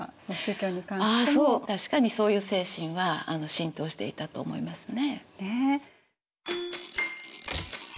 確かにそういう精神は浸透していたと思いますね。